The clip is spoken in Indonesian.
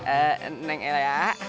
eh eh neng ella ya